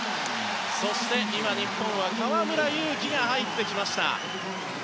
そして日本は河村勇輝が入ってきました。